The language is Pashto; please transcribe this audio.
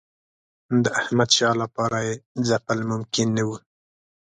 د احمدشاه لپاره یې ځپل ممکن نه وو.